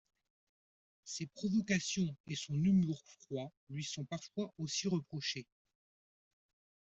Ses provocations et son humour froid lui sont parfois aussi reprochés.